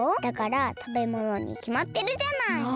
だからたべものにきまってるじゃない！